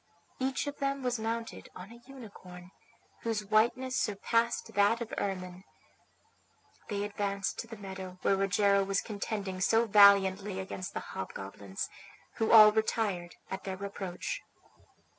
Each of them was mounted on a unicorn, whose whiteness surpassed that of ermine. They advanced to the meadow where Rogero was contending so valiantly against the hobgoblins, who all retired at their approach.